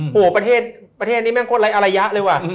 โอ้โหประเทศนี้แม่งโคตรไร้อารยะเลยว่ะ